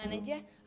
kita barengan aja